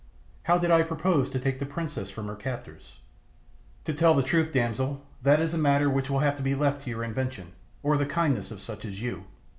How did I propose to take the princess from her captors? "To tell the truth, damsel, that is a matter which will have to be left to your invention, or the kindness of such as you.